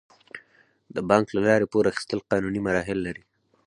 د بانک له لارې پور اخیستل قانوني مراحل لري.